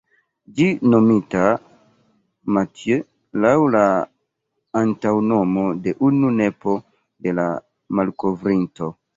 Ĝi nomita ""Mathieu"", laŭ la antaŭnomo de unu nepo de la malkovrinto.